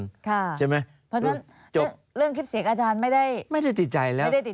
เพราะฉะนั้นจบเรื่องคลิปเสียงอาจารย์ไม่ได้ติดใจแล้ว